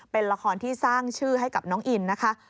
เป็นละครที่สร้างชื่อให้กับน้องอินนะคะ